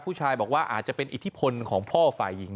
ผู้ชายบอกว่าอาจจะเป็นอิทธิพลของพ่อฝ่ายหญิง